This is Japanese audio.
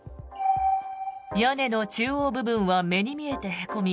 屋根の中央部分は目に見えてへこみ